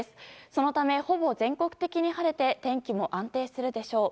そのため、ほぼ全国的に晴れて天気も安定するでしょう。